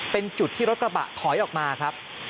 เป็นจุดที่รถกระบะถอยออกมาครับ